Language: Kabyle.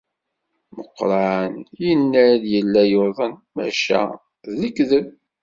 Meqqran yenna-d yella yuḍen, maca d lekdeb.